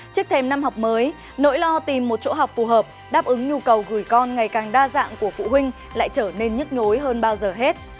trước thêm năm học mới nỗi lo tìm một chỗ học phù hợp đáp ứng nhu cầu gửi con ngày càng đa dạng của phụ huynh lại trở nên nhức nhối hơn bao giờ hết